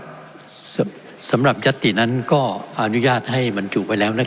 ครับสำหรับยัตตินั้นก็อนุญาตให้มันถูกไปแล้วนะครับ